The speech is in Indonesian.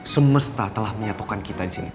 semesta telah menyatukan kita disini